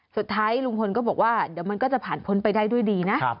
สุดท้ายลุงพลก็บอกว่าเดี๋ยวมันก็จะผ่านพ้นไปได้ด้วยดีนะ